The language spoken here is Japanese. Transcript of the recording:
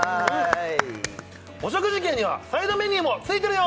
お食事券にはサイドメニューも付いてるよ！